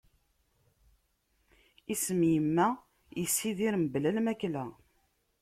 Isem "yimma", yessidir mebla lmakla.